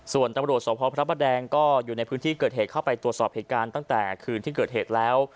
ส่วนตำรวจสพพระประแดงก็อยู่ในพื้นที่เกิดเหตุเข้าไปตรวจสอบเหตุการณ์ตั้งแต่คืนที่เกิดเหตุแล้ว